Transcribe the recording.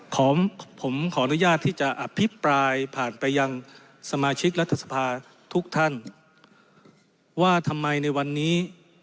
ผมผมขออนุญาตที่จะอภิปรายผ่านไปยังสมาชิกรัฐสภาทุกท่านว่าทำไมในวันนี้